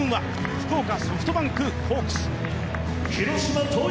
福島ソフトバンクホークス。